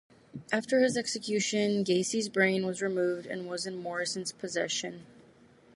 After his execution, Gacy's brain was removed and was in Morrison's possession.